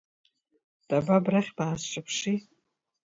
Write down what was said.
Даба абрахь баасҿаԥши.